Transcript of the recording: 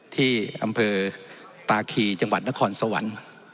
ที่อำเภอตาคีจังหวัดนครสวรรค์